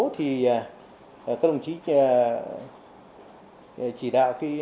thì các đồng chí chỉ đạo